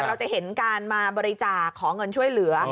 เราจะเห็นการมาบริจาคขอเงินช่วยเหลือ